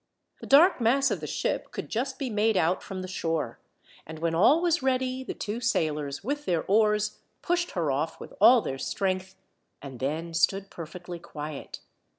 The dark mass of the ship could just be made out from the shore, and when all was ready the two sailors with their oars pushed her off with all their strength, and then stood perfectly quiet.